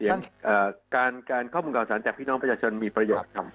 อย่างการข้อมูลข่าวสารจากพี่น้องประชาชนมีประโยชน์ครับ